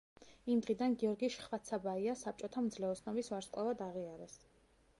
იმ დღიდან გიორგი შხვაცაბაია საბჭოთა მძლეოსნობის ვარსკვლავად აღიარეს.